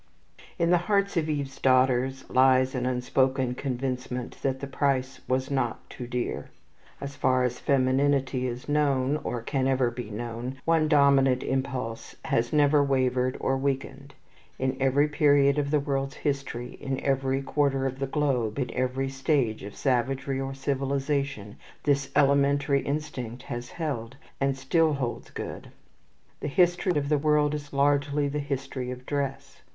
In the hearts of Eve's daughters lies an unspoken convincement that the price was not too dear. As far as feminity is known, or can ever be known, one dominant impulse has never wavered or weakened. In every period of the world's history, in every quarter of the globe, in every stage of savagery or civilization, this elementary instinct has held, and still holds good. The history of the world is largely the history of dress.